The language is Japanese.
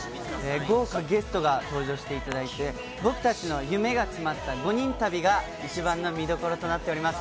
豪華ゲストが登場していただいて、僕たちの夢が詰まった５人旅が一番の見どころとなっております。